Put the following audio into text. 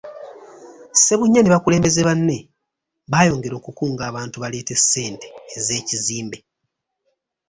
Ssebunya ne bakulembeze banne baayongera okukunga abantu baleete ssente ez’ekizimbe.